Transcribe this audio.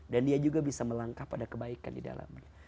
dan dia juga bisa melangkah pada kebaikan di dalamnya